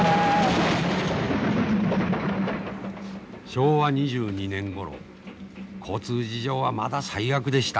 昭和２２年ごろ交通事情はまだ最悪でした。